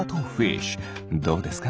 どうですか？